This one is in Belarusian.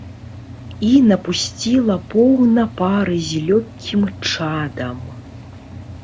І напусціла поўна пары з лёгкім чадам.